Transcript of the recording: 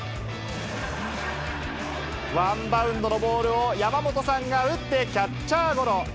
ワンバウンドのボールを、山本さんが打ってキャッチャーゴロ。